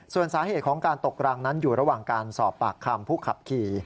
ส่วนสาเหตุของการตกรังนั้นอยู่ระหว่างการสอบปากคำผู้ขับขี่